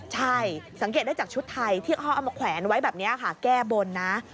ใช่สังเกตได้จากชุดไทยที่เขาเอามาแขวนไว้แบบนี้ค่ะแก้บนนะ